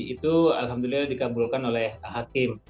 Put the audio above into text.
itu alhamdulillah dikabulkan oleh hakim